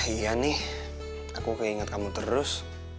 iya nih aku keinget kamu terus